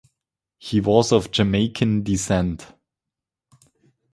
He was of Jamaican descent.